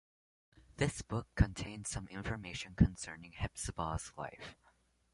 This book contains some information concerning Hephzibah's life.